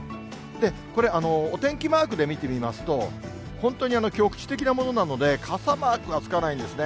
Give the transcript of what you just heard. これ、お天気マークで見てみますと、本当に局地的なものなので、傘マークがつかないんですね。